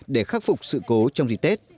để khắc phục sự cố trong dịp tết